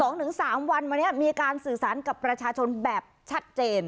สองถึงสามวันมาเนี้ยมีการสื่อสารกับประชาชนแบบชัดเจน